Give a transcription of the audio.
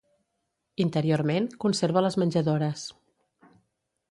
Interiorment conserva les menjadores.